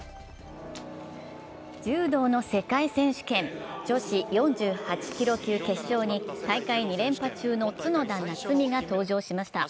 柔道の世界選手権女子４８キロ級決勝に大会２連覇中の角田夏実が登場しました。